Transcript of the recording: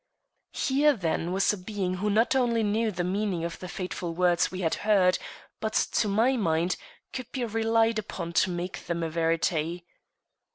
Here, then, was a being who not only knew the meaning of the fateful words we had heard, but, to my mind, could be relied upon to make them a verity.